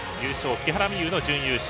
木原美悠の準優勝。